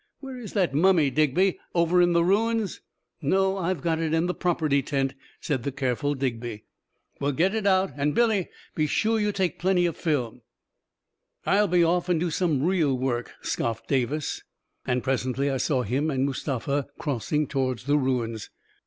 Where is that mummy, Digby? Over in the ruins? " "No; I've got it in the property tent," said the careful Digby. A KING IN BABYLON 3*9 "Well, get it out; and, Billy, be sure you take plenty of film." " I'll be off and do some real work !" scoffed Davis, and presently I saw him and Mustafa cross ing toward the ruins.